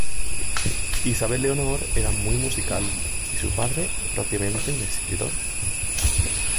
Isabel Leonor era muy musical y su padre propiamente un escritor.